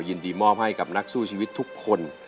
ยินดีมอบให้กับนักสู้ชีวิตทุกคน